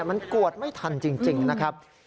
มันกวดไม่ทันจริงนะครับ